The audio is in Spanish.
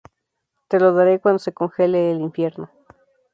Te lo daré cuando se congele el infierno